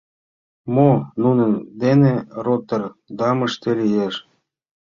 “Мо нунын дене Роттердамыште лиеш?